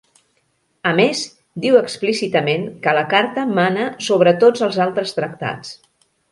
A més, diu explícitament que la Carta mana sobre tots els altres tractats.